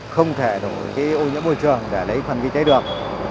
không thể đổi ô nhiễm môi trường để lấy phần ghi cháy được